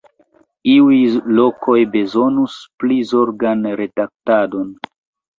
Iuj lokoj bezonus pli zorgan redaktadon.